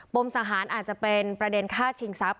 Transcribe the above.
บมสะฮานอาจเป็นประเด็นฆ่าชิงทรัพย์